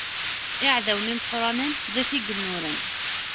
Iɛdawen imeqqranen d at igennuren.